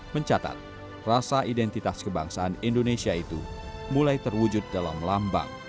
mencatat rasa identitas kebangsaan indonesia itu mulai terwujud dalam lambang